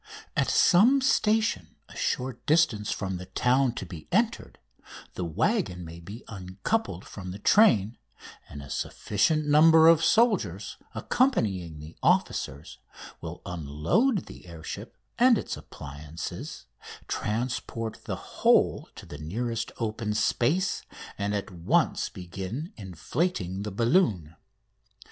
At some station a short distance from the town to be entered the waggon may be uncoupled from the train, and a sufficient number of soldiers accompanying the officers will unload the air ship and its appliances, transport the whole to the nearest open space, and at once begin inflating the balloon.